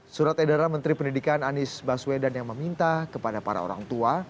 surat edaran menteri pendidikan anies baswedan yang meminta kepada para orang tua